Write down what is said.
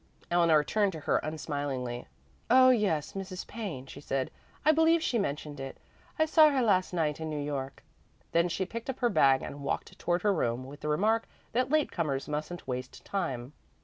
Eleanor turned to her unsmilingly. "Oh yes, Mrs. Payne," she said. "I believe she mentioned it. I saw her last night in New York." Then she picked up her bag and walked toward her room with the remark that late comers mustn't waste time.